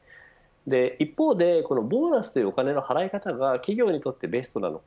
一方でボーナスというお金の払い方が企業にとってベストなのか。